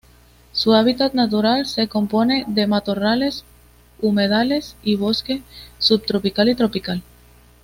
Su hábitat natural se compone de matorrales, humedales y bosque subtropical y tropical.